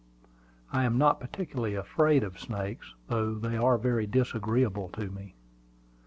I am not particularly afraid of snakes, though they are very disagreeable to me.